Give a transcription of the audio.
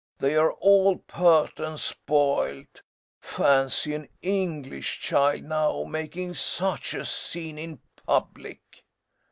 They are all pert and spoiled. Fancy an English child, now, making such a scene in public!"